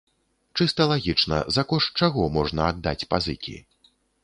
Чыста лагічна, за кошт чаго можна аддаць пазыкі?